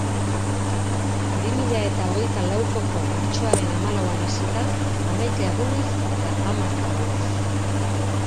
Bi mila eta hogeita laukoko martxoaren hamalauan hasita, hamaika egunez eta hamar gauez.